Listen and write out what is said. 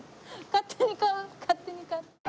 勝手に買う勝手に買う。